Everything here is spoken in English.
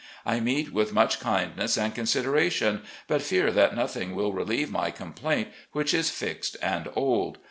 I meet with much kindness and consideration, but fear that nothing will relieve my complaint, which is fixed and old.